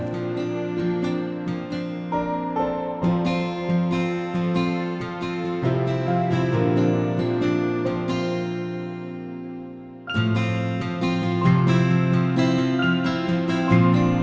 sampai jumpa lagi